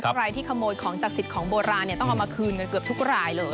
ใครที่ขโมยของจากสิทธิ์ของโบราณต้องเอามาคืนกันเกือบทุกรายเลย